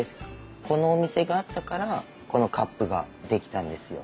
このお店があったからこのカップが出来たんですよ。